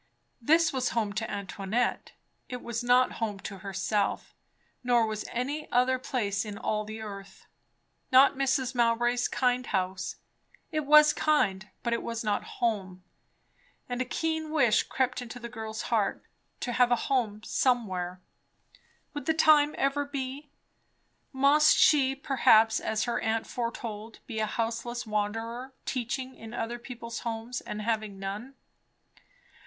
This was home to Antoinette. It was not home to herself, nor was any other place in all the earth. Not Mrs. Mowbray's kind house; it was kind, but it was not home; and a keen wish crept into the girl's heart. To have a home somewhere! Would the time ever be? Must she perhaps, as her aunt foretold, be a houseless wanderer, teaching in other people's homes, and having none?